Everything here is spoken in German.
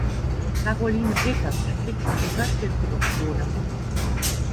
Caroline Peters spricht auch in Hörspielproduktionen.